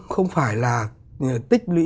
không phải là tích lũy